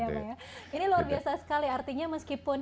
ini luar biasa sekali artinya meskipun